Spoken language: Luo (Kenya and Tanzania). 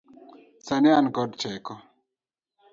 Sani an kod teko.